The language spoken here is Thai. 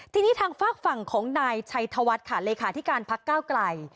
ทีนี้ทางฝากฝั่งของนายชัยธวัฒน์ค่ะเลขาธิการพักก้าวไกล